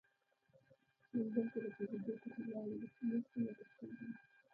موږ دلته د پوهېدو په هیله ولسي نرخونه درپېژنو.